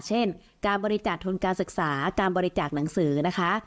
เช่นการบริจาคทุนการศึกษาการบริจาคหนังสือนะคะ